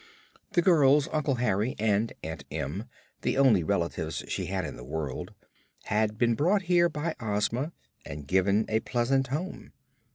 The girl's Uncle Henry and Aunt Em the only relatives she had in the world had also been brought here by Ozma and given a pleasant home.